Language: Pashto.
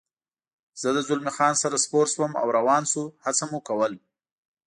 زه له زلمی خان سره سپور شوم او روان شو، هڅه مو کول.